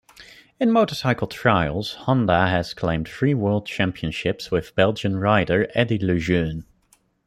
In motorcycle trials, Honda has claimed three world championships with Belgian rider Eddy Lejeune.